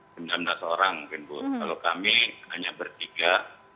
kalau kami hanya bertiga